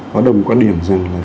có đồng quan điểm rằng là